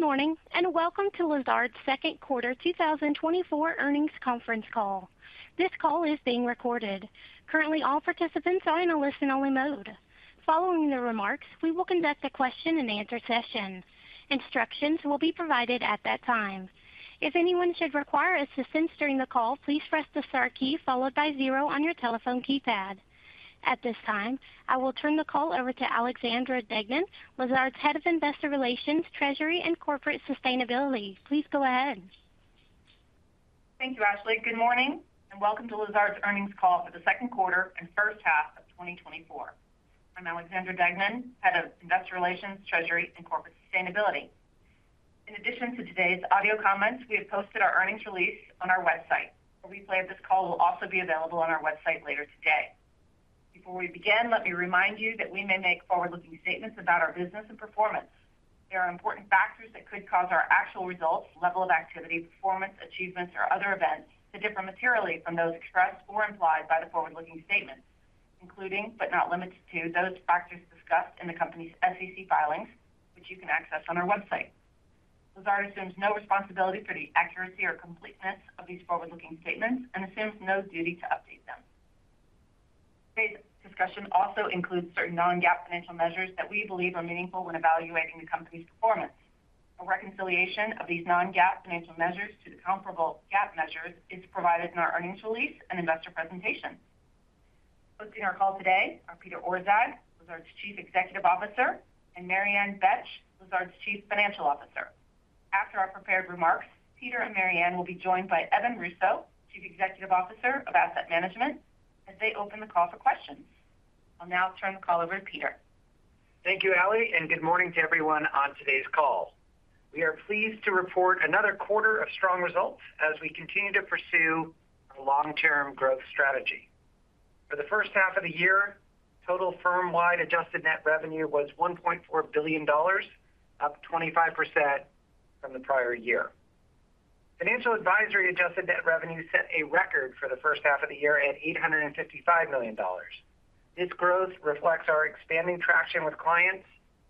Good morning, and welcome to Lazard's second quarter 2024 earnings conference call. This call is being recorded. Currently, all participants are in a listen-only mode. Following the remarks, we will conduct a question-and-answer session. Instructions will be provided at that time. If anyone should require assistance during the call, please press the star key followed by zero on your telephone keypad. At this time, I will turn the call over to Alexandra Deignan, Lazard's Head of Investor Relations, Treasury, and Corporate Sustainability. Please go ahead. Thank you, Ashley. Good morning, and welcome to Lazard's earnings call for the second quarter and first half of 2024. I'm Alexandra Deignan, Head of Investor Relations, Treasury, and Corporate Sustainability. In addition to today's audio comments, we have posted our earnings release on our website. A replay of this call will also be available on our website later today. Before we begin, let me remind you that we may make forward-looking statements about our business and performance. There are important factors that could cause our actual results, level of activity, performance, achievements, or other events to differ materially from those expressed or implied by the forward-looking statements, including, but not limited to, those factors discussed in the company's SEC filings, which you can access on our website. Lazard assumes no responsibility for the accuracy or completeness of these forward-looking statements and assumes no duty to update them. Today's discussion also includes certain non-GAAP financial measures that we believe are meaningful when evaluating the company's performance. A reconciliation of these non-GAAP financial measures to the comparable GAAP measures is provided in our Earnings Release and Investor Presentation. Hosting our call today are Peter Orszag, Lazard's Chief Executive Officer, and Mary Ann Betsch, Lazard's Chief Financial Officer. After our prepared remarks, Peter and Mary Ann will be joined by Evan Russo, Chief Executive Officer of Asset Management, as they open the call for questions. I'll now turn the call over to Peter. Thank you, Ally, and good morning to everyone on today's call. We are pleased to report another quarter of strong results as we continue to pursue a long-term growth strategy. For the first half of the year, total firm-wide adjusted net revenue was $1.4 billion, up 25% from the prior year. Financial Advisory adjusted net revenue set a record for the first half of the year at $855 million. This growth reflects our expanding traction with clients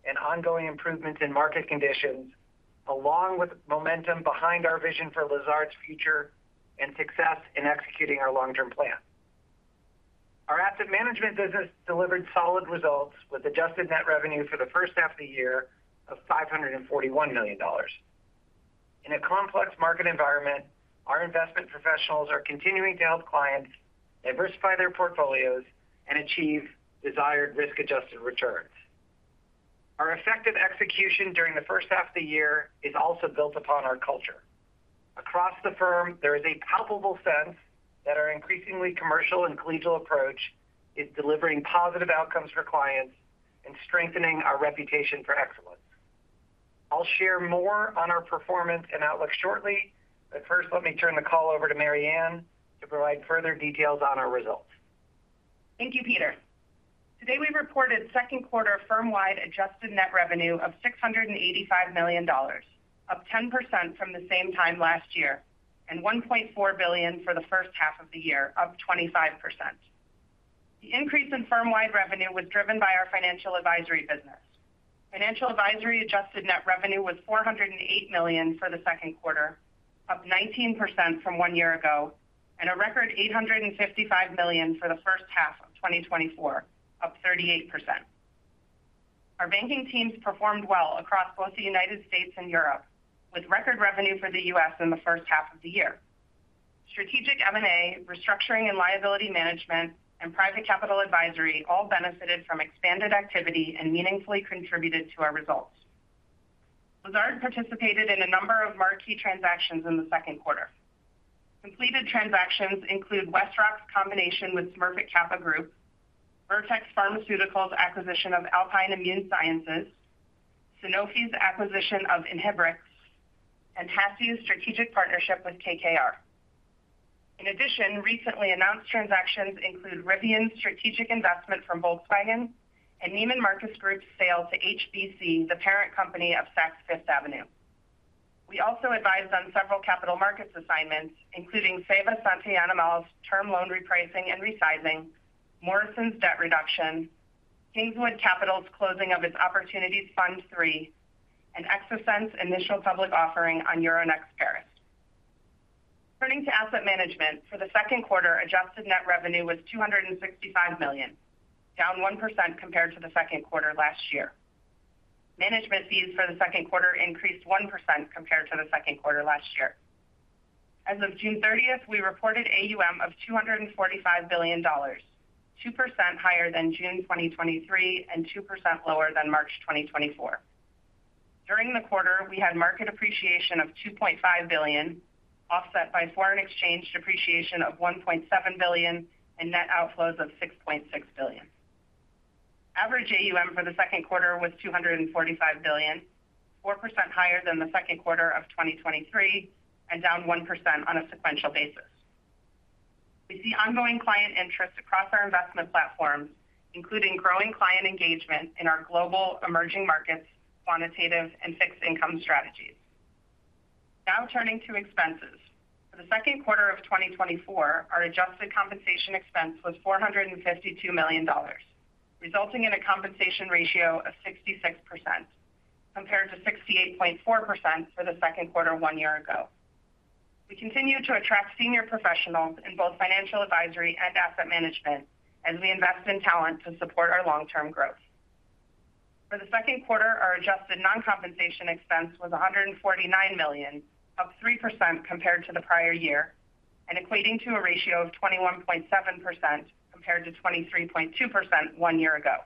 and ongoing improvements in market conditions, along with momentum behind our vision for Lazard's future and success in executing our long-term plan. Our Asset Management business delivered solid results with adjusted net revenue for the first half of the year of $541 million. In a complex market environment, our investment professionals are continuing to help clients diversify their portfolios and achieve desired risk-adjusted returns. Our effective execution during the first half of the year is also built upon our culture. Across the firm, there is a palpable sense that our increasingly commercial and collegial approach is delivering positive outcomes for clients and strengthening our reputation for excellence. I'll share more on our performance and outlook shortly, but first, let me turn the call over to Mary Ann to provide further details on our results. Thank you, Peter. Today, we reported second quarter firm-wide adjusted net revenue of $685 million, up 10% from the same time last year, and $1.4 billion for the first half of the year, up 25%. The increase in firm-wide revenue was driven by our Financial Advisory business. Financial Advisory adjusted net revenue was $408 million for the second quarter, up 19% from one year ago, and a record $855 million for the first half of 2024, up 38%. Our banking teams performed well across both the United States and Europe, with record revenue for the U.S. in the first half of the year. Strategic M&A, Restructuring & Liability Management, and Private Capital Advisory all benefited from expanded activity and meaningfully contributed to our results. Lazard participated in a number of marquee transactions in the second quarter. Completed transactions include WestRock's combination with Smurfit Kappa Group, Vertex Pharmaceuticals' acquisition of Alpine Immune Sciences, Sanofi's acquisition of Inhibrx, and Encavis's strategic partnership with KKR. In addition, recently announced transactions include Rivian's strategic investment from Volkswagen and Neiman Marcus Group's sale to HBC, the parent company of Saks Fifth Avenue. We also advised on several capital markets assignments, including Ceva Santé Animale's term loan repricing and resizing, Morrisons' debt reduction, Kingswood Capital's closing of its Opportunities Fund III, and Exosens initial public offering on Euronext Paris. Turning to Asset Management, for the second quarter, adjusted net revenue was $265 million, down 1% compared to the second quarter last year. Management fees for the second quarter increased 1% compared to the second quarter last year. As of June 30, we reported AUM of $245 billion, 2% higher than June 2023, and 2% lower than March 2024. During the quarter, we had market appreciation of $2.5 billion, offset by foreign exchange depreciation of $1.7 billion, and net outflows of $6.6 billion. Average AUM for the second quarter was $245 billion, 4% higher than the second quarter of 2023, and down 1% on a sequential basis. We see ongoing client interest across our investment platforms, including growing client engagement in our global emerging markets, quantitative and fixed income strategies. Now turning to expenses. For the second quarter of 2024, our adjusted compensation expense was $452 million, resulting in a compensation ratio of 66%, compared to 68.4% for the second quarter one year ago. We continue to attract senior professionals in both Financial Advisory and Asset Management, as we invest in talent to support our long-term growth. For the second quarter, our adjusted non-compensation expense was $149 million, up 3% compared to the prior year, and equating to a ratio of 21.7%, compared to 23.2% one year ago.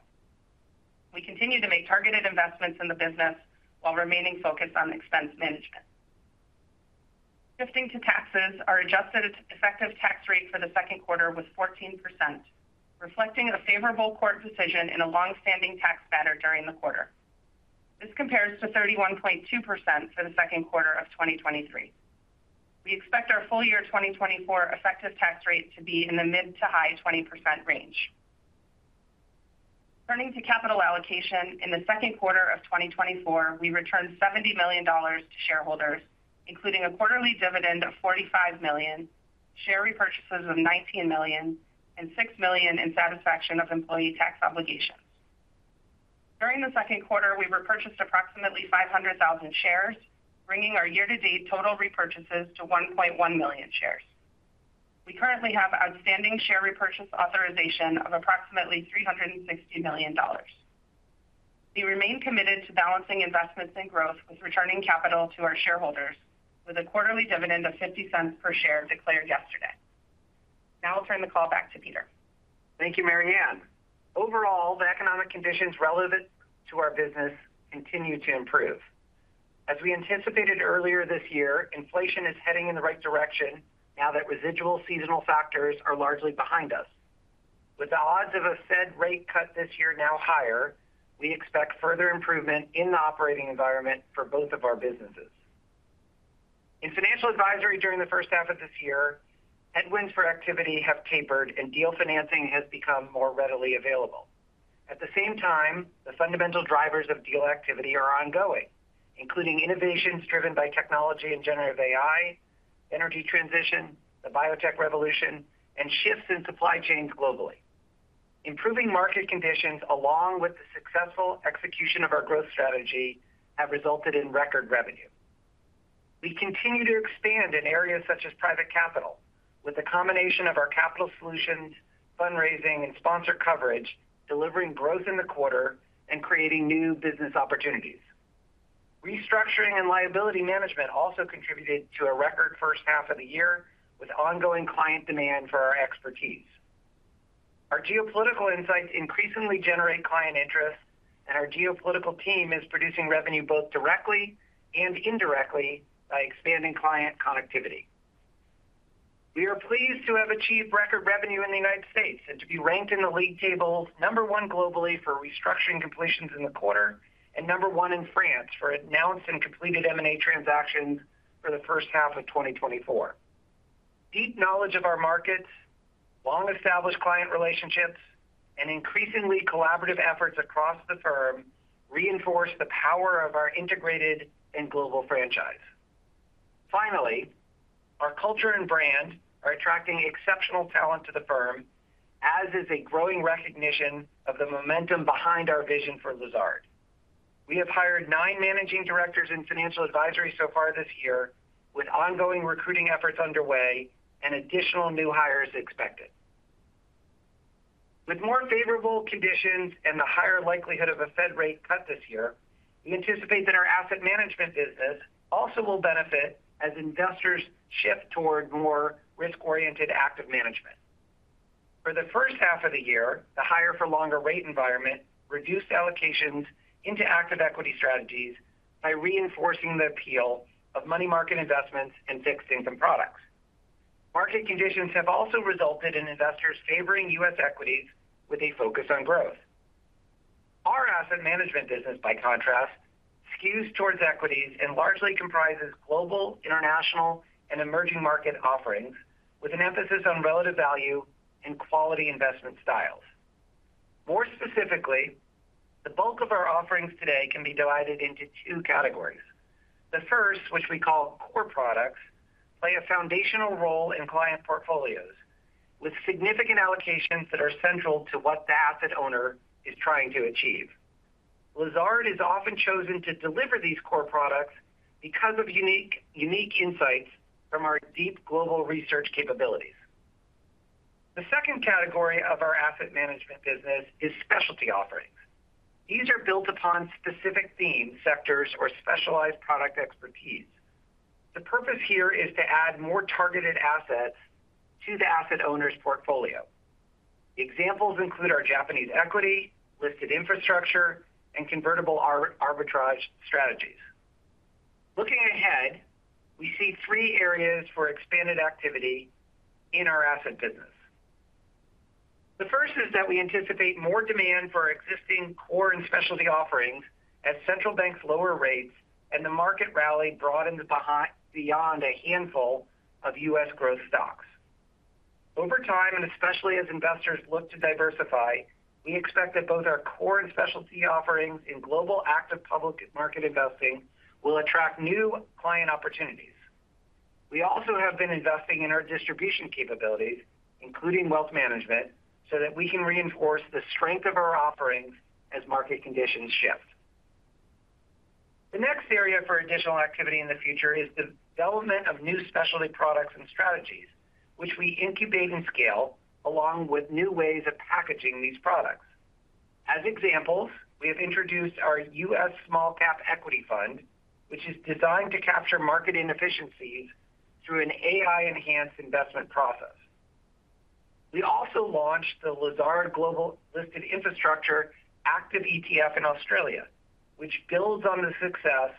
We continue to make targeted investments in the business while remaining focused on expense management. Shifting to taxes, our adjusted effective tax rate for the second quarter was 14%, reflecting a favorable court decision in a long-standing tax matter during the quarter. This compares to 31.2% for the second quarter of 2023. We expect our full year 2024 effective tax rate to be in the mid- to high-20% range. Turning to capital allocation, in the second quarter of 2024, we returned $70 million to shareholders, including a quarterly dividend of $45 million, share repurchases of $19 million, and $6 million in satisfaction of employee tax obligations. During the second quarter, we repurchased approximately 500,000 shares, bringing our year-to-date total repurchases to 1.1 million shares. We currently have outstanding share repurchase authorization of approximately $360 million. We remain committed to balancing investments and growth with returning capital to our shareholders, with a quarterly dividend of $0.50 per share declared yesterday. Now I'll turn the call back to Peter. Thank you, Mary Ann. Overall, the economic conditions relevant to our business continue to improve. As we anticipated earlier this year, inflation is heading in the right direction now that residual seasonal factors are largely behind us. With the odds of a Fed rate cut this year now higher, we expect further improvement in the operating environment for both of our businesses. In Financial Advisory during the first half of this year, headwinds for activity have tapered and deal financing has become more readily available. At the same time, the fundamental drivers of deal activity are ongoing, including innovations driven by technology and generative AI, energy transition, the biotech revolution, and shifts in supply chains globally. Improving market conditions, along with the successful execution of our growth strategy, have resulted in record revenue. We continue to expand in areas such as private capital, with a combination of our capital solutions, fundraising, and sponsor coverage, delivering growth in the quarter and creating new business opportunities. Restructuring & Liability Management also contributed to a record first half of the year, with ongoing client demand for our expertise. Our geopolitical insights increasingly generate client interest, and our geopolitical team is producing revenue both directly and indirectly by expanding client connectivity. We are pleased to have achieved record revenue in the United States, and to be ranked in the league tables, number one globally for restructuring completions in the quarter, and number one in France for announced and completed M&A transactions for the first half of 2024. Deep knowledge of our markets, long-established client relationships, and increasingly collaborative efforts across the firm, reinforce the power of our integrated and global franchise. Finally, our culture and brand are attracting exceptional talent to the firm, as is a growing recognition of the momentum behind our vision for Lazard. We have hired nine managing directors in Financial Advisory so far this year, with ongoing recruiting efforts underway and additional new hires expected. With more favorable conditions and the higher likelihood of a Fed rate cut this year, we anticipate that our Asset Management business also will benefit as investors shift toward more risk-oriented active management. For the first half of the year, the higher for longer rate environment reduced allocations into active equity strategies by reinforcing the appeal of money market investments and fixed income products. Market conditions have also resulted in investors favoring U.S. equities with a focus on growth. Our Asset Management business, by contrast, skews towards equities and largely comprises global, international, and emerging market offerings, with an emphasis on relative value and quality investment styles. More specifically, the bulk of our offerings today can be divided into two categories. The first, which we call core products, play a foundational role in client portfolios, with significant allocations that are central to what the asset owner is trying to achieve. Lazard is often chosen to deliver these core products because of unique, unique insights from our deep global research capabilities. The second category of our Asset Management business is specialty offerings. These are built upon specific themes, sectors, or specialized product expertise. The purpose here is to add more targeted assets to the asset owner's portfolio. Examples include our Japanese equity, listed infrastructure, and convertible arbitrage strategies. Looking ahead, we see three areas for expanded activity in our asset business. The first is that we anticipate more demand for our existing core and specialty offerings as central banks lower rates and the market rally broadens beyond a handful of U.S. growth stocks... Over time, and especially as investors look to diversify, we expect that both our core and specialty offerings in global active public market investing will attract new client opportunities. We also have been investing in our distribution capabilities, including wealth management, so that we can reinforce the strength of our offerings as market conditions shift. The next area for additional activity in the future is the development of new specialty products and strategies, which we incubate and scale, along with new ways of packaging these products. As examples, we have introduced our U.S. Small Cap Equity Fund, which is designed to capture market inefficiencies through an AI-enhanced investment process. We also launched the Lazard Global Listed Infrastructure Active ETF in Australia, which builds on the success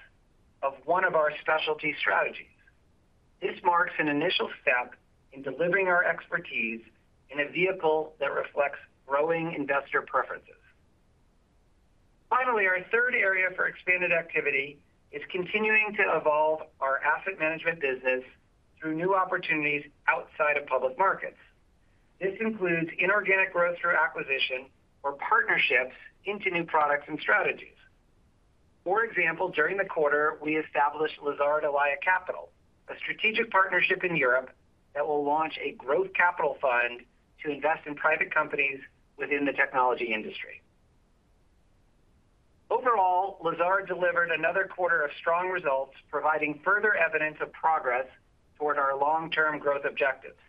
of one of our specialty strategies. This marks an initial step in delivering our expertise in a vehicle that reflects growing investor preferences. Finally, our third area for expanded activity is continuing to evolve our Asset Management business through new opportunities outside of public markets. This includes inorganic growth through acquisition or partnerships into new products and strategies. For example, during the quarter, we established Lazard Elaia Capital, a strategic partnership in Europe that will launch a growth capital fund to invest in private companies within the technology industry. Overall, Lazard delivered another quarter of strong results, providing further evidence of progress toward our long-term growth objectives.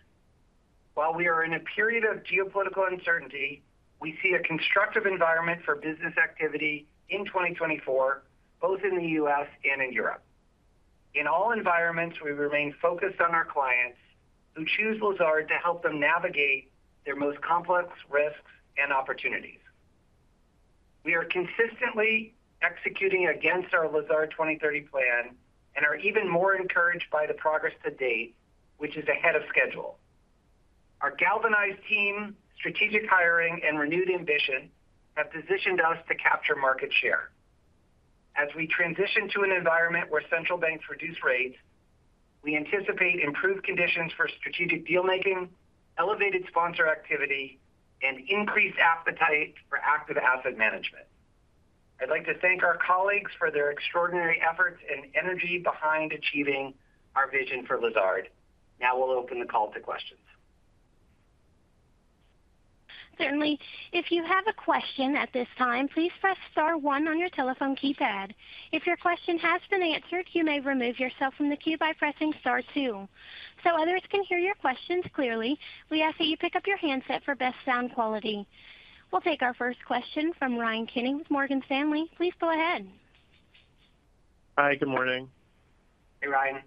While we are in a period of geopolitical uncertainty, we see a constructive environment for business activity in 2024, both in the U.S. and in Europe. In all environments, we remain focused on our clients, who choose Lazard to help them navigate their most complex risks and opportunities. We are consistently executing against our Lazard 2030 plan and are even more encouraged by the progress to date, which is ahead of schedule. Our galvanized team, strategic hiring, and renewed ambition have positioned us to capture market share. As we transition to an environment where central banks reduce rates, we anticipate improved conditions for strategic deal-making, elevated sponsor activity, and increased appetite for active Asset Management. I'd like to thank our colleagues for their extraordinary efforts and energy behind achieving our vision for Lazard. Now we'll open the call to questions. Certainly. If you have a question at this time, please press star one on your telephone keypad. If your question has been answered, you may remove yourself from the queue by pressing star two. So others can hear your questions clearly, we ask that you pick up your handset for best sound quality. We'll take our first question from Ryan Kenny with Morgan Stanley. Please go ahead. Hi, good morning. Hey, Ryan.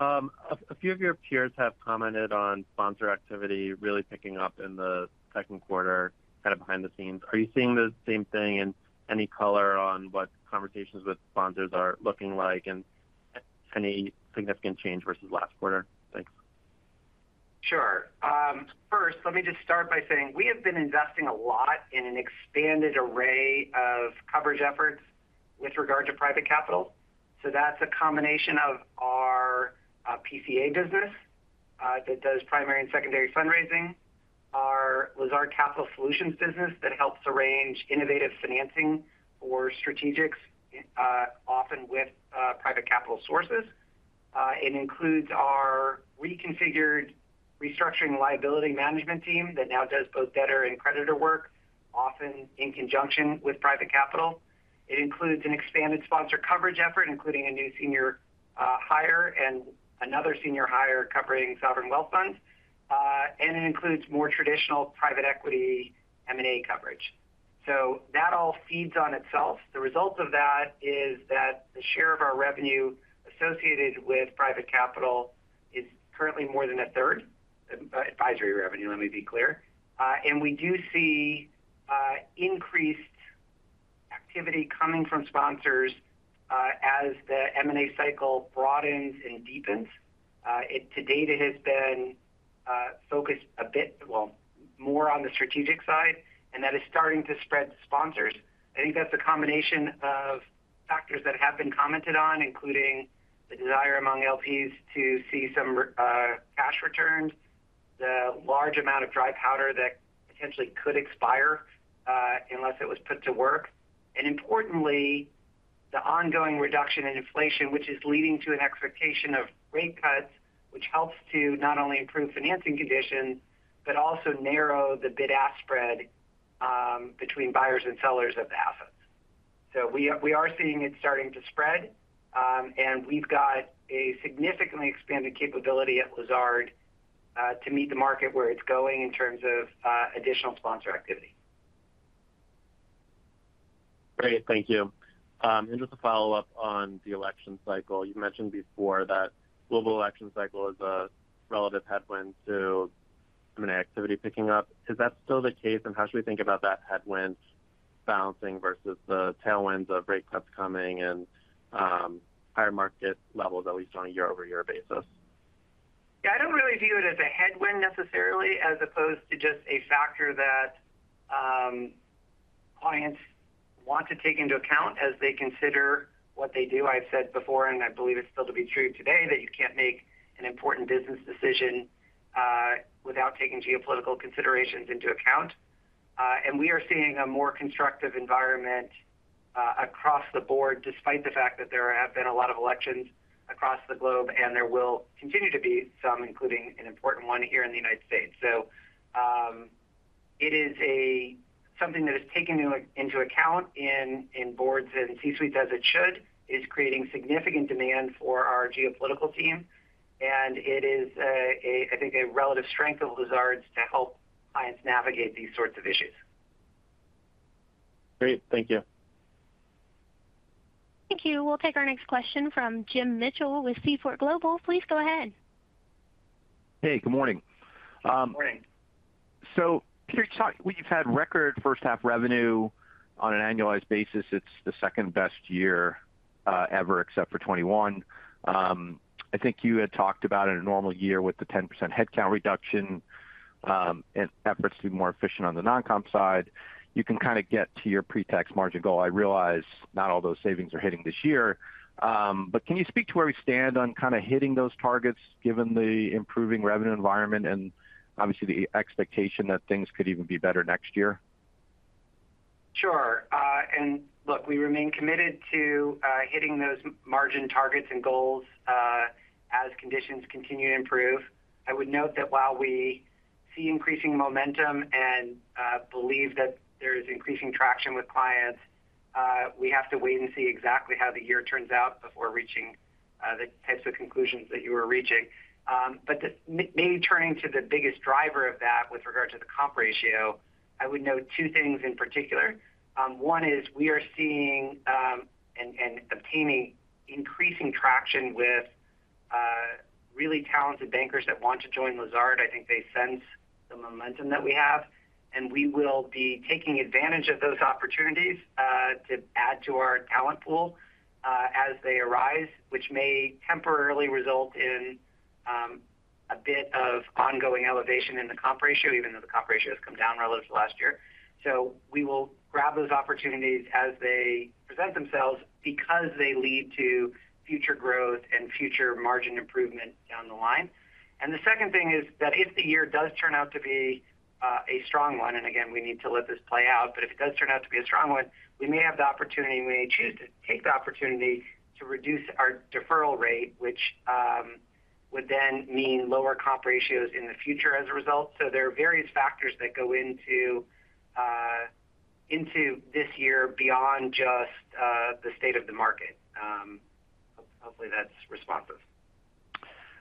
A few of your peers have commented on sponsor activity really picking up in the second quarter, kind of behind the scenes. Are you seeing the same thing, and any color on what conversations with sponsors are looking like, and any significant change versus last quarter? Thanks. Sure. First, let me just start by saying we have been investing a lot in an expanded array of coverage efforts with regard to private capital. So that's a combination of our PCA business that does primary and secondary fundraising, our Lazard Capital Solutions business that helps arrange innovative financing or strategics, often with private capital sources. It includes our reconfigured Restructuring & Liability Management team that now does both debtor and creditor work, often in conjunction with private capital. It includes an expanded sponsor coverage effort, including a new senior hire and another senior hire covering sovereign wealth funds, and it includes more traditional private equity M&A coverage. So that all feeds on itself. The result of that is that the share of our revenue associated with private capital is currently more than 1/3, advisory revenue, let me be clear. And we do see increased activity coming from sponsors, as the M&A cycle broadens and deepens. To date, it has been focused a bit, well, more on the strategic side, and that is starting to spread to sponsors. I think that's a combination of factors that have been commented on, including the desire among LPs to see some cash returned, the large amount of dry powder that potentially could expire, unless it was put to work, and importantly, the ongoing reduction in inflation, which is leading to an expectation of rate cuts, which helps to not only improve financing conditions, but also narrow the bid-ask spread, between buyers and sellers of the assets. So we are, we are seeing it starting to spread, and we've got a significantly expanded capability at Lazard, to meet the market where it's going in terms of, additional sponsor activity. Great, thank you. And just a follow-up on the election cycle. You mentioned before that global election cycle is a relative headwind to M&A activity picking up. Is that still the case, and how should we think about that headwind balancing versus the tailwinds of rate cuts coming and higher market levels, at least on a year-over-year basis? Yeah, I don't really view it as a headwind necessarily, as opposed to just a factor that clients want to take into account as they consider what they do. I've said before, and I believe it's still to be true today, that you can't make an important business decision without taking geopolitical considerations into account. And we are seeing a more constructive environment across the board, despite the fact that there have been a lot of elections across the globe, and there will continue to be some, including an important one here in the United States. So, it is something that is taken into account in boards and C-suites, as it should, is creating significant demand for our geopolitical team. And it is a relative strength of Lazard to help clients navigate these sorts of issues. Great. Thank you. Thank you. We'll take our next question from Jim Mitchell with Seaport Global. Please go ahead. Hey, good morning. Good morning. So Peter, talk—we've had record first half revenue on an annualized basis. It's the second best year ever, except for 2021. I think you had talked about in a normal year, with the 10% headcount reduction, and efforts to be more efficient on the non-comp side, you can kind of get to your pre-tax margin goal. I realize not all those savings are hitting this year, but can you speak to where we stand on kind of hitting those targets, given the improving revenue environment and obviously the expectation that things could even be better next year? Sure. And look, we remain committed to hitting those margin targets and goals as conditions continue to improve. I would note that while we see increasing momentum and believe that there is increasing traction with clients, we have to wait and see exactly how the year turns out before reaching the types of conclusions that you are reaching. But maybe turning to the biggest driver of that with regard to the comp ratio, I would note two things in particular. One is we are seeing and obtaining increasing traction with really talented bankers that want to join Lazard. I think they sense the momentum that we have, and we will be taking advantage of those opportunities, to add to our talent pool, as they arise, which may temporarily result in, a bit of ongoing elevation in the comp ratio, even though the comp ratio has come down relative to last year. So we will grab those opportunities as they present themselves because they lead to future growth and future margin improvement down the line. The second thing is that if the year does turn out to be, a strong one, and again, we need to let this play out, but if it does turn out to be a strong one, we may have the opportunity, and we may choose to take the opportunity to reduce our deferral rate, which, would then mean lower comp ratios in the future as a result. So there are various factors that go into this year beyond just the state of the market. Hopefully that's responsive.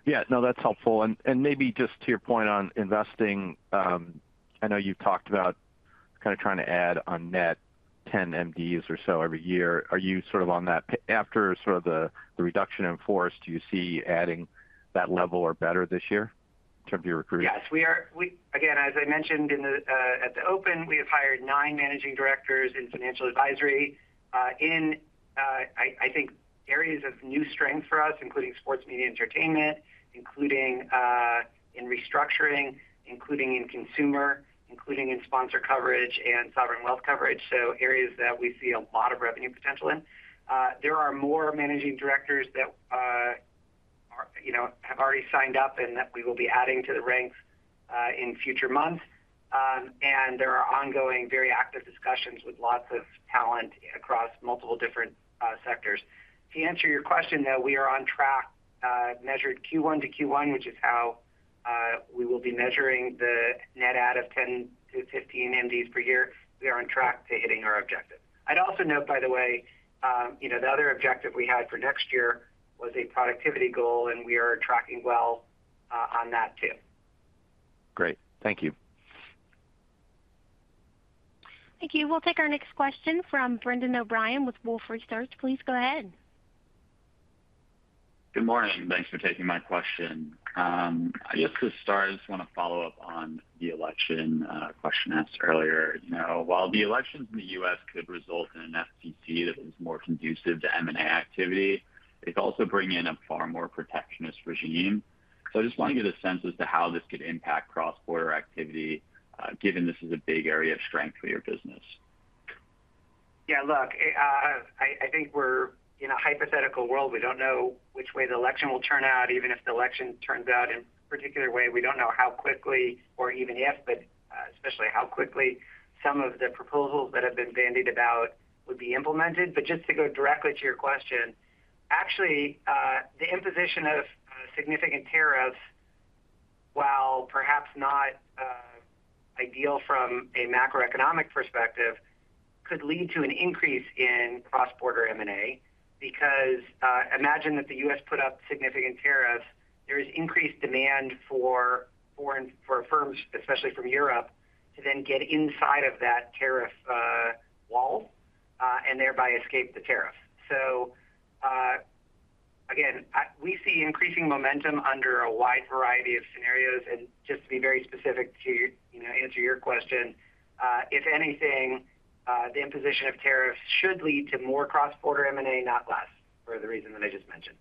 Yeah. No, that's helpful. And maybe just to your point on investing, I know you've talked about kind of trying to add on net 10 MDs or so every year. Are you sort of on that pace after sort of the reduction in force, do you see adding that level or better this year in terms of your recruiting? Yes, we are. We, again, as I mentioned in the, at the open, we have hired nine managing directors in Financial Advisory, in, I think areas of new strength for us, including Sports, Media & Entertainment, including, in Restructuring, including in Consumer, including in sponsor coverage and sovereign wealth coverage. So areas that we see a lot of revenue potential in. There are more managing directors that, you know, have already signed up and that we will be adding to the ranks, in future months. And there are ongoing, very active discussions with lots of talent across multiple different, sectors. To answer your question, though, we are on track, measured Q1 to Q1, which is how we will be measuring the net add of 10-15 MDs per year. We are on track to hitting our objective. I'd also note, by the way, you know, the other objective we had for next year was a productivity goal, and we are tracking well, on that too. Great. Thank you. Thank you. We'll take our next question from Brendan O’Brien with Wolfe Research. Please go ahead. Good morning. Thanks for taking my question. I just, to start, I just want to follow up on the election question asked earlier. You know, while the elections in the U.S. could result in an FTC that is more conducive to M&A activity, they also bring in a far more protectionist regime. So I just want to get a sense as to how this could impact cross-border activity, given this is a big area of strength for your business. Yeah, look, I think we're in a hypothetical world. We don't know which way the election will turn out, even if the election turns out in a particular way. We don't know how quickly or even if, especially how quickly some of the proposals that have been bandied about would be implemented. But just to go directly to your question, actually, the imposition of significant tariffs, while perhaps not ideal from a macroeconomic perspective, could lead to an increase in cross-border M&A. Because, imagine that the U.S. put up significant tariffs, there is increased demand for foreign firms, especially from Europe, to then get inside of that tariff wall, and thereby escape the tariff. So, again, we see increasing momentum under a wide variety of scenarios. Just to be very specific, to, you know, answer your question, the imposition of tariffs should lead to more cross-border M&A, not less, for the reason that I just mentioned.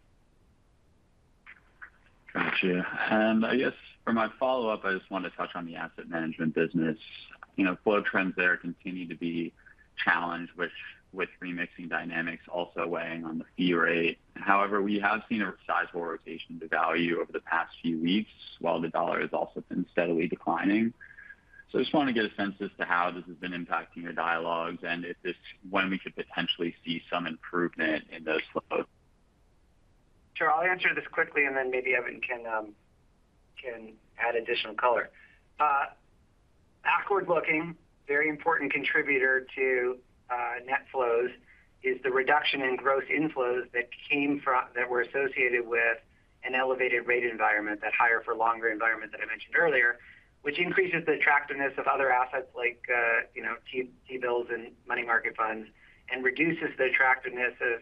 Thank you. And I guess for my follow-up, I just wanted to touch on the Asset Management business. You know, flow trends there continue to be challenged, which, with remixing dynamics also weighing on the fee rate. However, we have seen a sizable rotation to value over the past few weeks, while the dollar has also been steadily declining. So I just want to get a sense as to how this has been impacting your dialogues, and if this, when we could potentially see some improvement in those flows? Sure. I'll answer this quickly, and then maybe Evan can add additional color. Backward-looking, very important contributor to net flows is the reduction in gross inflows that were associated with an elevated rate environment, that higher for longer environment that I mentioned earlier, which increases the attractiveness of other assets like, you know, T-bills and money market funds, and reduces the attractiveness of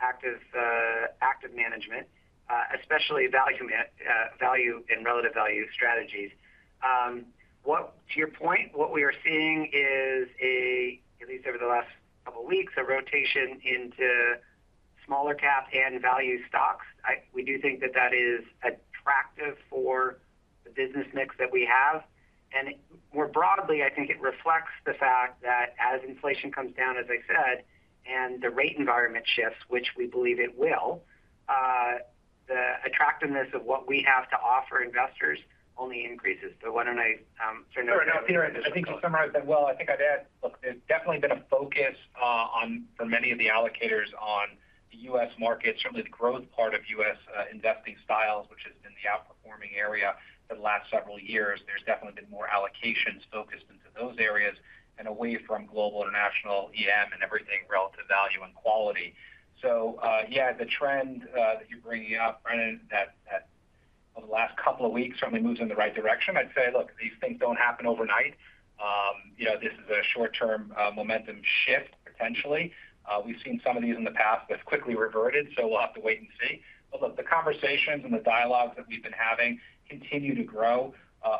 active management, especially value and relative value strategies. To your point, what we are seeing is, at least over the last couple of weeks, a rotation into small-cap and value stocks. We do think that that is attractive for the business mix that we have. More broadly, I think it reflects the fact that as inflation comes down, as I said, and the rate environment shifts, which we believe it will, the attractiveness of what we have to offer investors only increases. Why don't I turn it over to. Sure. I think you summarized that well. I think I'd add, look, there's definitely been a focus on, for many of the allocators on the U.S. market, certainly the growth part of U.S. investing styles, which has been the outperforming area for the last several years. There's definitely been more allocations focused into those areas and away from global, international, EM, and everything, relative value and quality. So, yeah, the trend that you're bringing up, Brendan, that over the last couple of weeks, certainly moves in the right direction. I'd say, look, these things don't happen overnight. You know, this is a short-term momentum shift, potentially. We've seen some of these in the past, but quickly reverted, so we'll have to wait and see. But look, the conversations and the dialogues that we've been having continue to grow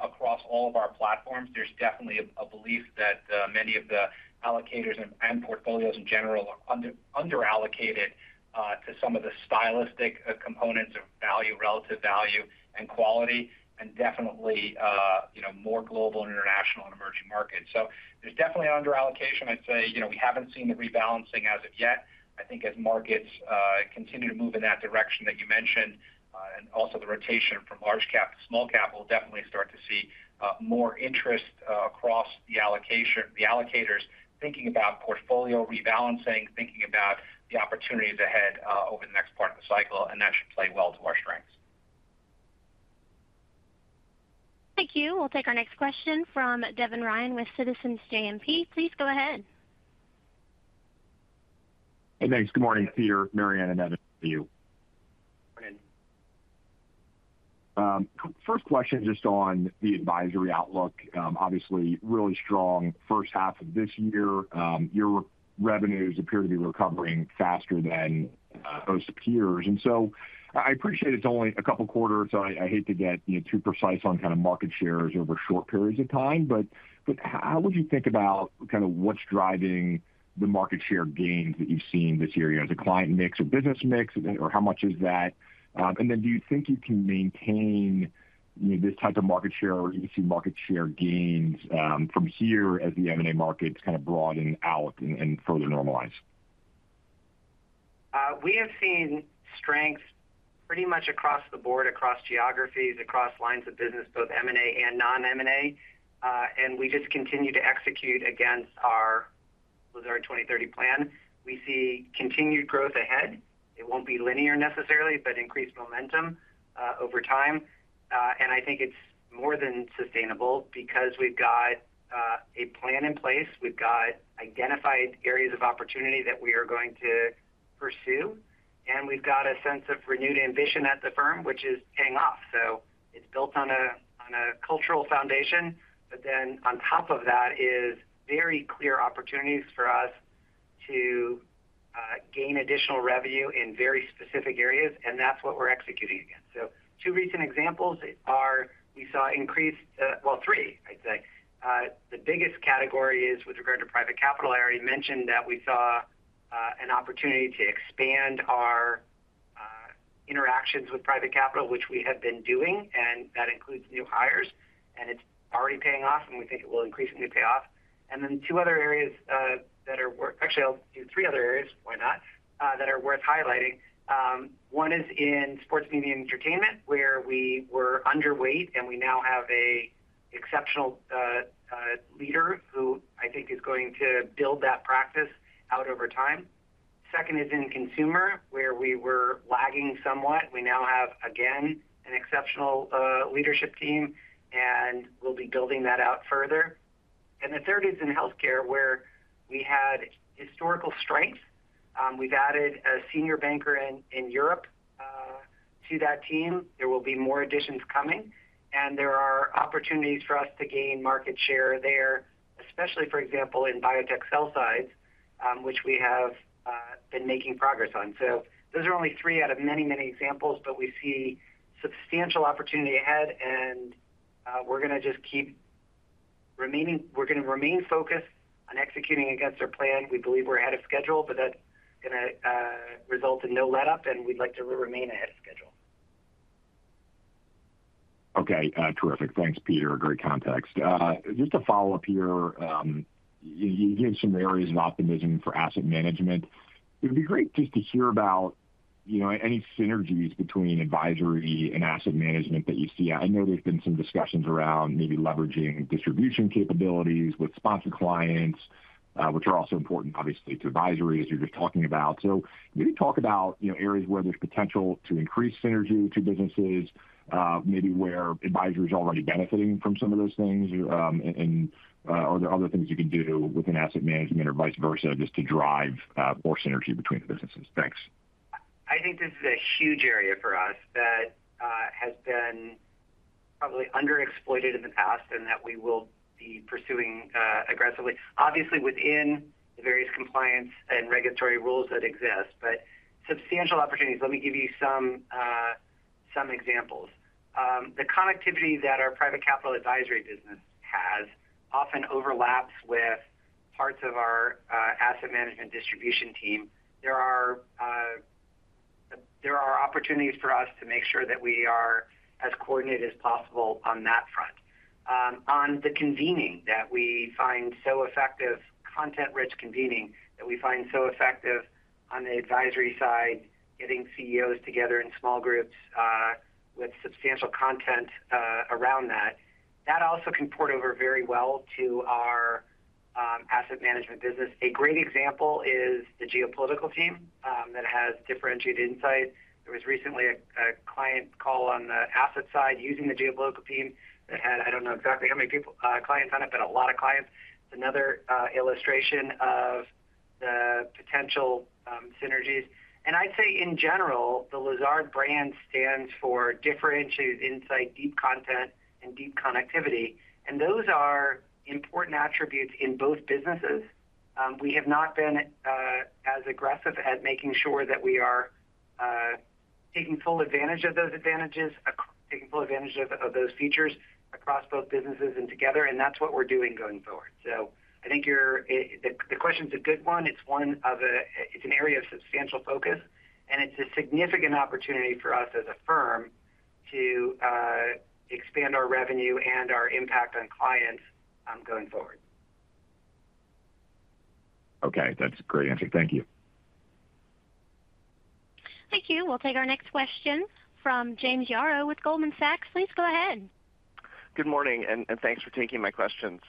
across all of our platforms. There's definitely a belief that many of the allocators and portfolios in general are underallocated to some of the stylistic components of value, relative value, and quality, and definitely, you know, more global and international and emerging markets. So there's definitely an underallocation. I'd say, you know, we haven't seen the rebalancing as of yet. I think as markets continue to move in that direction that you mentioned, and also the rotation from large cap to small cap, we'll definitely start to see more interest across the allocation, the allocators, thinking about portfolio rebalancing, thinking about the opportunities ahead over the next part of the cycle, and that should play well to our strengths. Thank you. We'll take our next question from Devin Ryan with Citizens JMP. Please go ahead. Hey, thanks. Good morning, Peter, Mary Ann, and Evan, to you. Good morning. First question, just on the advisory outlook. Obviously, really strong first half of this year. Your revenues appear to be recovering faster than most peers. And so I appreciate it's only a couple quarters, so I hate to get, you know, too precise on kind of market shares over short periods of time, but how would you think about kind of what's driving the market share gains that you've seen this year? Is it client mix or business mix, or how much is that? And then do you think you can maintain, you know, this type of market share, or you can see market share gains from here as the M&A markets kind of broaden out and further normalize? We have seen strength pretty much across the board, across geographies, across lines of business, both M&A and non-M&A, and we just continue to execute against our Lazard 2030 plan. We see continued growth ahead. It won't be linear necessarily, but increased momentum over time. And I think it's more than sustainable because we've got a plan in place. We've got identified areas of opportunity that we are going to pursue, and we've got a sense of renewed ambition at the firm, which is paying off. So it's built on a cultural foundation, but then on top of that is very clear opportunities for us to gain additional revenue in very specific areas, and that's what we're executing against. So two recent examples are we saw increased... well, three, I'd say. The biggest category is with regard to private capital. I already mentioned that we saw an opportunity to expand our interactions with private capital, which we have been doing, and that includes new hires, and it's already paying off, and we think it will increasingly pay off. And then two other areas that are worth, actually, I'll do three other areas, why not, that are worth highlighting. One is in sports, media, and entertainment, where we were underweight, and we now have an exceptional leader, who I think is going to build that practice out over time. Second is in consumer, where we were lagging somewhat. We now have, again, an exceptional leadership team, and we'll be building that out further. And the third is in Healthcare, where we had historical strength. We've added a senior banker in Europe to that team. There will be more additions coming, and there are opportunities for us to gain market share there, especially, for example, in biotech sell side, which we have been making progress on. So those are only three out of many, many examples, but we see substantial opportunity ahead, and we're going to remain focused on executing against our plan. We believe we're ahead of schedule, but that's going to result in no letup, and we'd like to remain ahead of schedule. Okay, terrific. Thanks, Peter. Great context. Just to follow up here, you gave some areas of optimism for Asset Management. It would be great just to hear about, you know, any synergies between Advisory and Asset Management that you see. I know there's been some discussions around maybe leveraging distribution capabilities with sponsor clients, which are also important, obviously, to advisory, as you're just talking about. So maybe talk about, you know, areas where there's potential to increase synergy to businesses, maybe where advisory is already benefiting from some of those things. And are there other things you can do within Asset Management or vice versa, just to drive more synergy between the businesses? Thanks. I think this is a huge area for us that has been probably underexploited in the past, and that we will be pursuing aggressively. Obviously, within the various compliance and regulatory rules that exist, but substantial opportunities. Let me give you some examples. The connectivity that our Private Capital Advisory business has often overlaps with parts of our Asset Management distribution team. There are opportunities for us to make sure that we are as coordinated as possible on that front. On the convening that we find so effective, content-rich convening, that we find so effective on the Advisory side, getting CEOs together in small groups, with substantial content around that, that also can port over very well to our Asset Management business. A great example is the geopolitical team that has differentiated insights. There was recently a client call on the asset side using the geopolitical team that had, I don't know exactly how many clients on it, but a lot of clients. It's another illustration of the potential synergies. And I'd say in general, the Lazard brand stands for differentiated insight, deep content, and deep connectivity, and those are important attributes in both businesses. We have not been as aggressive at making sure that we are taking full advantage of those advantages, taking full advantage of those features across both businesses and together, and that's what we're doing going forward. So I think you're the question's a good one. It's an area of substantial focus, and it's a significant opportunity for us as a firm to expand our revenue and our impact on clients, going forward. Okay. That's a great answer. Thank you. Thank you. We'll take our next question from James Yaro with Goldman Sachs. Please go ahead. Good morning, and thanks for taking my questions.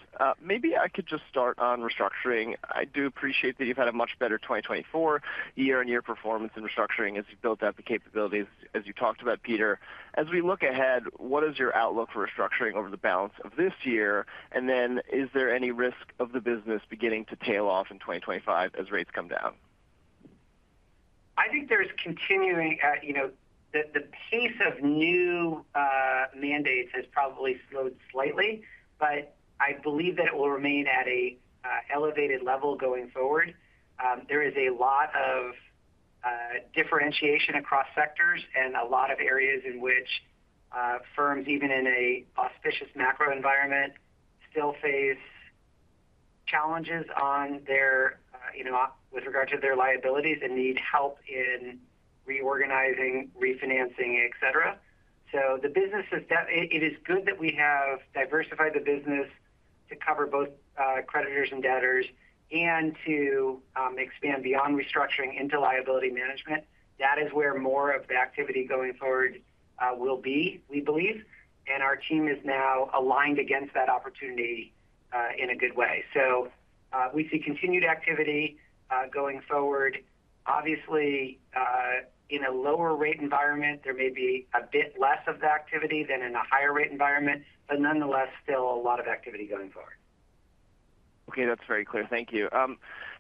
Maybe I could just start on restructuring. I do appreciate that you've had a much better 2024 year-on-year performance in restructuring as you've built out the capabilities, as you talked about, Peter. As we look ahead, what is your outlook for restructuring over the balance of this year? And then is there any risk of the business beginning to tail off in 2025 as rates come down? I think there's continuing, you know. The pace of new mandates has probably slowed slightly, but I believe that it will remain at a elevated level going forward. There is a lot of differentiation across sectors and a lot of areas in which firms, even in a auspicious macro environment, still face challenges on their, you know, with regard to their liabilities and need help in reorganizing, refinancing, et cetera. So the business is good that we have diversified the business to cover both creditors and debtors, and to expand beyond restructuring into liability management. That is where more of the activity going forward will be, we believe, and our team is now aligned against that opportunity in a good way. So we see continued activity going forward. Obviously, in a lower rate environment, there may be a bit less of the activity than in a higher rate environment, but nonetheless, still a lot of activity going forward. Okay, that's very clear. Thank you.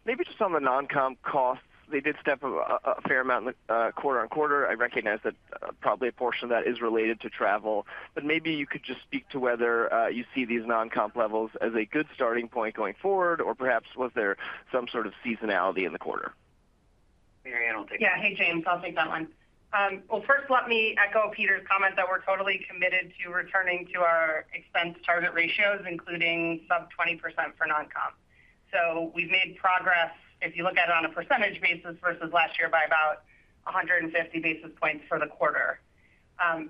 Maybe just on the non-comp costs, they did step a fair amount quarter-over-quarter. I recognize that probably a portion of that is related to travel, but maybe you could just speak to whether you see these non-comp levels as a good starting point going forward, or perhaps was there some sort of seasonality in the quarter? Mary Ann, take it. Yeah. Hey, James, I'll take that one. Well, first, let me echo Peter's comment that we're totally committed to returning to our expense target ratios, including sub 20% for non-comp. So we've made progress, if you look at it on a percentage basis versus last year, by about 150 basis points for the quarter.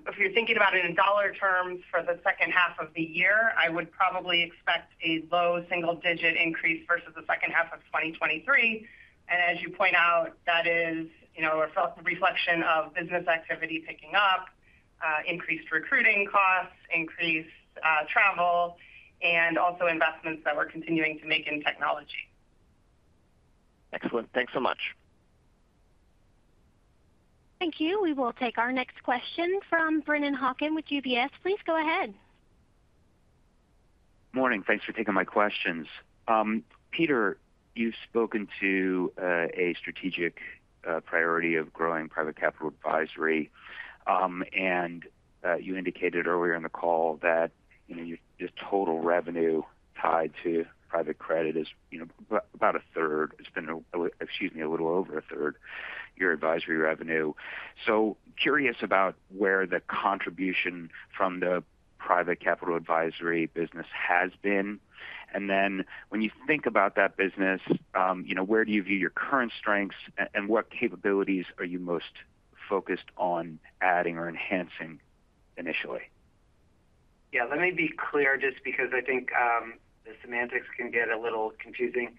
If you're thinking about it in dollar terms for the second half of the year, I would probably expect a low single-digit increase versus the second half of 2023. And as you point out, that is, you know, a re-reflection of business activity picking up, increased recruiting costs, increased travel, and also investments that we're continuing to make in technology. Excellent. Thanks so much. Thank you. We will take our next question from Brennan Hawken with UBS. Please go ahead. Morning. Thanks for taking my questions. Peter, you've spoken to a strategic priority of growing Private Capital Advisory. And you indicated earlier in the call that, you know, your total revenue tied to private credit is, you know, about 1/3. It's been a little over 1/3... your advisory revenue. So curious about where the contribution from the Private Capital Advisory business has been. And then when you think about that business, you know, where do you view your current strengths, and what capabilities are you most focused on adding or enhancing initially? Yeah, let me be clear, just because I think, the semantics can get a little confusing.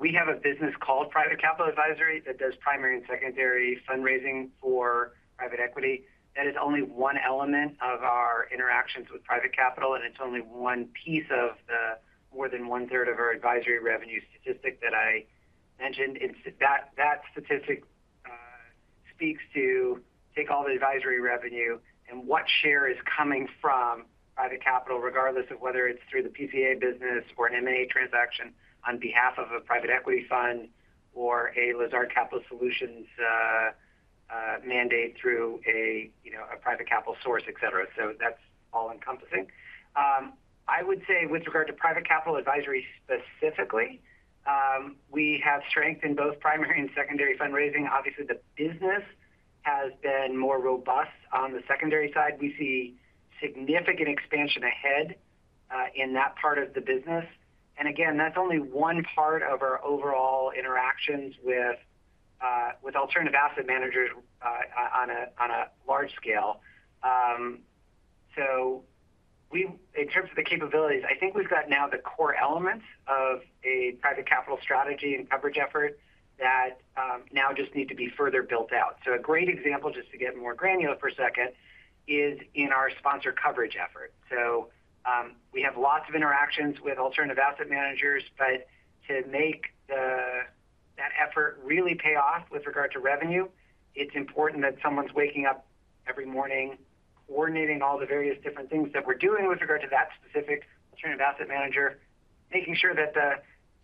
We have a business called Private Capital Advisory that does primary and secondary fundraising for private equity. That is only one element of our interactions with private capital, and it's only one piece of the more than 1/3 of our advisory revenue statistic that I mentioned. That statistic speaks to take all the advisory revenue and what share is coming from private capital, regardless of whether it's through the PCA business or an M&A transaction on behalf of a private equity fund or a Lazard Capital Solutions mandate through a, you know, a private capital source, et cetera. So that's all-encompassing. I would say with regard to Private Capital Advisory specifically, we have strength in both primary and secondary fundraising. Obviously, the business has been more robust on the secondary side. We see significant expansion ahead in that part of the business. And again, that's only one part of our overall interactions with alternative asset managers on a large scale. In terms of the capabilities, I think we've got now the core elements of a private capital strategy and coverage effort that now just need to be further built out. So a great example, just to get more granular for a second, is in our sponsor coverage effort. So we have lots of interactions with alternative asset managers, but to make that effort really pay off with regard to revenue, it's important that someone's waking up every morning, coordinating all the various different things that we're doing with regard to that specific alternative asset manager. Making sure that the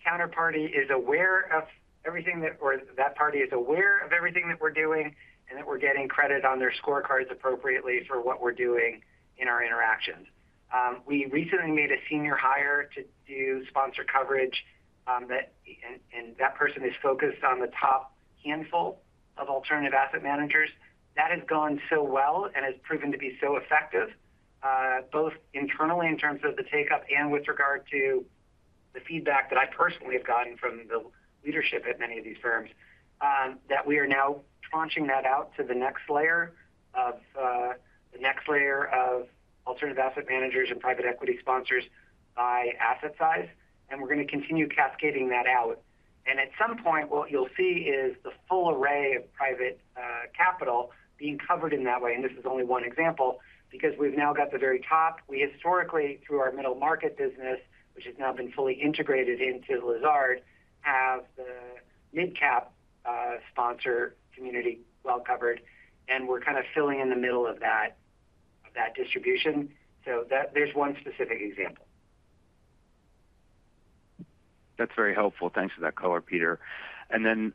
counterparty is aware of everything that... or that party is aware of everything that we're doing, and that we're getting credit on their scorecards appropriately for what we're doing in our interactions. We recently made a senior hire to do sponsor coverage, and that person is focused on the top handful of alternative asset managers. That has gone so well and has proven to be so effective, both internally in terms of the take-up and with regard to the feedback that I personally have gotten from the leadership at many of these firms, that we are now tranching that out to the next layer of alternative asset managers and private equity sponsors by asset size, and we're going to continue cascading that out. And at some point, what you'll see is the full array of private capital being covered in that way, and this is only one example. Because we've now got the very top, we historically, through our middle market business, which has now been fully integrated into Lazard, have the mid-cap sponsor community well covered, and we're kind of filling in the middle of that, of that distribution. So that's one specific example. That's very helpful. Thanks for that color, Peter. And then,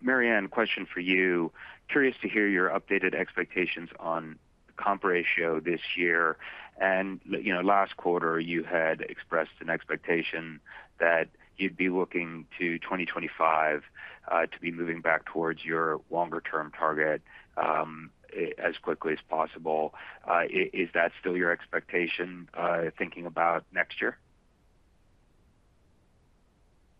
Mary Ann, question for you. Curious to hear your updated expectations on the comp ratio this year. And, you know, last quarter, you had expressed an expectation that you'd be looking to 2025 to be moving back towards your longer-term target, as quickly as possible. Is that still your expectation, thinking about next year?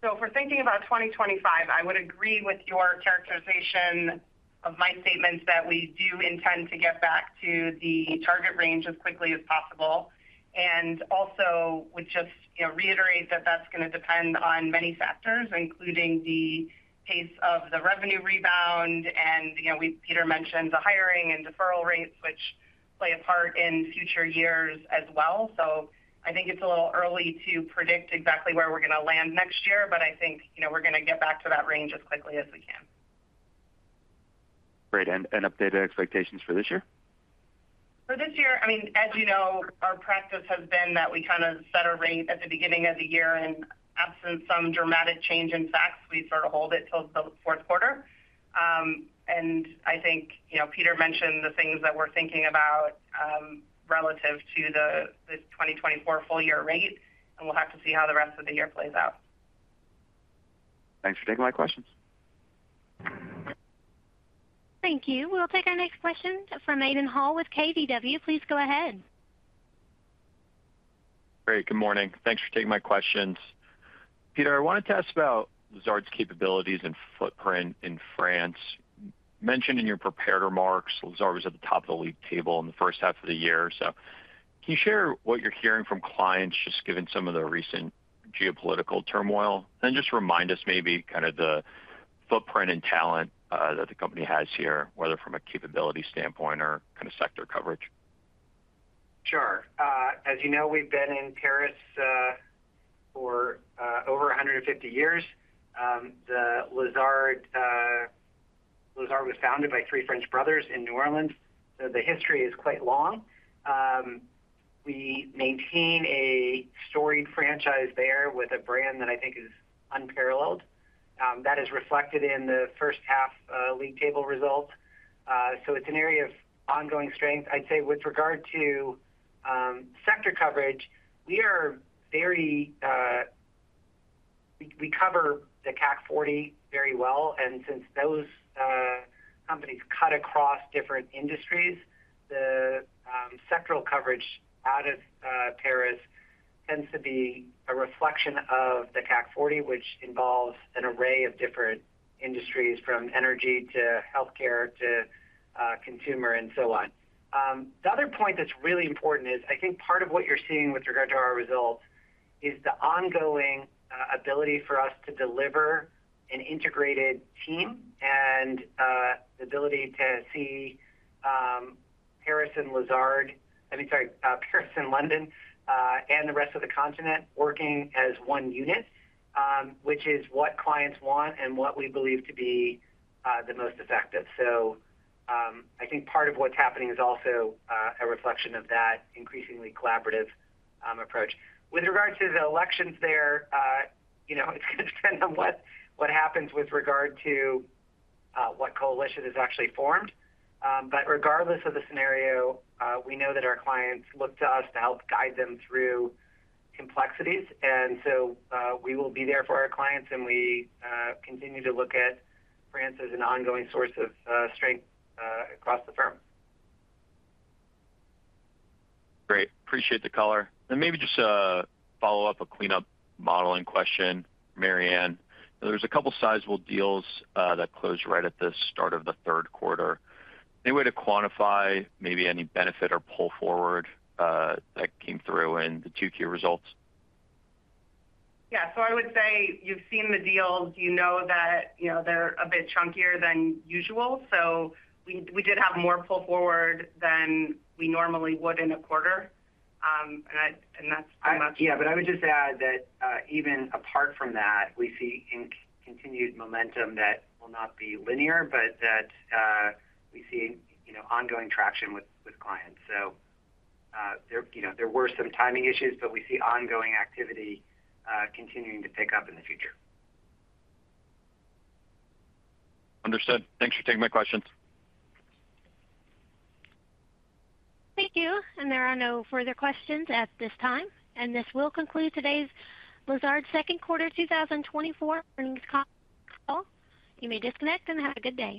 So if we're thinking about 2025, I would agree with your characterization of my statements that we do intend to get back to the target range as quickly as possible, and also would just, you know, reiterate that that's going to depend on many factors, including the pace of the revenue rebound and, you know, Peter mentioned the hiring and deferral rates, which play a part in future years as well. So I think it's a little early to predict exactly where we're going to land next year, but I think, you know, we're going to get back to that range as quickly as we can. Great. And updated expectations for this year? For this year, I mean, as you know, our practice has been that we kind of set a rate at the beginning of the year, and absent some dramatic change in facts, we sort of hold it till the fourth quarter. And I think, you know, Peter mentioned the things that we're thinking about, relative to the 2024 full year rate, and we'll have to see how the rest of the year plays out. Thanks for taking my questions. Thank you. We'll take our next question from Aidan Hall with KBW. Please go ahead. Great. Good morning. Thanks for taking my questions. Peter, I wanted to ask about Lazard's capabilities and footprint in France. Mentioned in your prepared remarks, Lazard was at the top of the league table in the first half of the year. So can you share what you're hearing from clients, just given some of the recent geopolitical turmoil? And just remind us maybe kind of the footprint and talent, that the company has here, whether from a capability standpoint or kind of sector coverage. Sure. As you know, we've been in Paris for over 150 years. Lazard was founded by three French brothers in New Orleans, so the history is quite long. We maintain a storied franchise there with a brand that I think is unparalleled, that is reflected in the first half league table results. So it's an area of ongoing strength. I'd say with regard to sector coverage, we cover the CAC 40 very well, and since those companies cut across different industries, the sectoral coverage out of Paris tends to be a reflection of the CAC 40, which involves an array of different industries, from energy to healthcare to consumer, and so on. The other point that's really important is, I think, part of what you're seeing with regard to our results is the ongoing ability for us to deliver an integrated team, and the ability to see Paris and Lazard - I mean, sorry, Paris and London, and the rest of the continent working as one unit, which is what clients want and what we believe to be the most effective. So, I think part of what's happening is also a reflection of that increasingly collaborative approach. With regard to the elections there, you know, it's gonna depend on what happens with regard to what coalition is actually formed. Regardless of the scenario, we know that our clients look to us to help guide them through complexities, and so, we will be there for our clients, and we continue to look at France as an ongoing source of strength across the firm. Great. Appreciate the color. And maybe just a follow-up, a cleanup modeling question, Mary Ann. There's a couple sizable deals that closed right at the start of the third quarter. Any way to quantify maybe any benefit or pull forward that came through in the 2Q results? Yeah. So I would say you've seen the deals, you know that, you know, they're a bit chunkier than usual. So we, we did have more pull forward than we normally would in a quarter. And that's pretty much- Yeah, but I would just add that, even apart from that, we see continued momentum that will not be linear, but that we see, you know, ongoing traction with clients. So, you know, there were some timing issues, but we see ongoing activity continuing to pick up in the future. Understood. Thanks for taking my questions. Thank you, and there are no further questions at this time, and this will conclude today's Lazard second quarter 2024 earnings conference call. You may disconnect and have a good day.